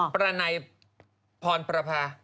ประไหนพรพรภา